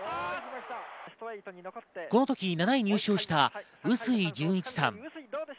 この時、７位入賞した臼井淳一さん。